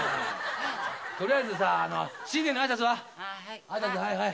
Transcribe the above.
取りあえずさ新年の挨拶は？